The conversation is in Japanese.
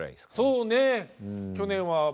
そうね。